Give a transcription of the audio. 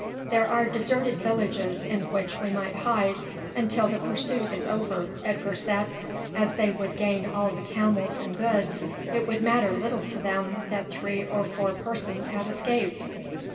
"There are deserted villages in which we might hide until the pursuit is over," Edgar said. "As they would gain all the camels and goods it would matter little to them that three or four persons had escaped."